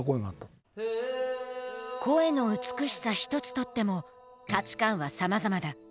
声の美しさ一つとっても価値観はさまざまだ。